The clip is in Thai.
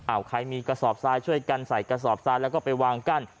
เอาใครมีกระสอบทรายช่วยกันใส่กระสอบทรายแล้วก็ไปวางกั้น